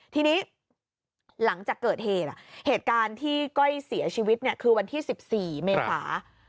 ที่นี้หลังจากเกิดเทนอ่ะเหตุการณ์ที่ก้อยเสียชีวิตเนี่ยคือวันที่สิบสี่เมษา